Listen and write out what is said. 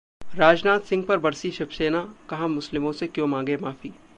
राजनाथ सिंह पर बरसी शिवसेना, कहा- 'मुस्लिमों से क्यों मांगें माफी?'